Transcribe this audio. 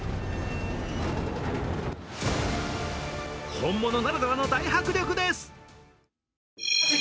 本物ならではの大迫力です。